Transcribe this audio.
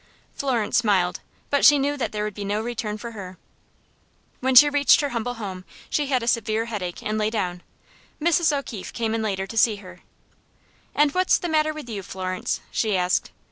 Florence smiled; but she knew that there would be no return for her. When she reached her humble home she had a severe headache and lay down. Mrs. O'Keefe came in later to see her. "And what's the matter with you, Florence?" she asked.